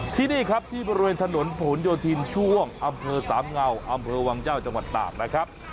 ที่นี่ครับที่บริเวณถนนผลโยธินช่วงอำเภอสามเงาอำเภอวังเจ้าจังหวัดตากนะครับ